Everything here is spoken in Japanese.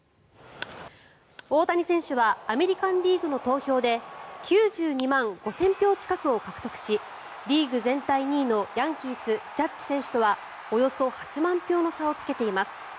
大谷選手はアメリカン・リーグの投票で９２万５０００票近くを獲得しリーグ全体２位のヤンキース、ジャッジ選手とはおよそ８万票の差をつけています。